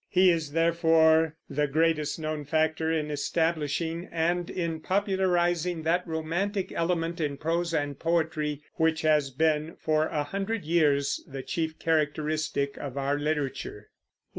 He is, therefore, the greatest known factor in establishing and in popularizing that romantic element in prose and poetry which has been for a hundred years the chief characteristic of our literature.